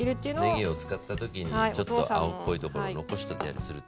ねぎを使った時にちょっと青っぽいところを残してたりすると。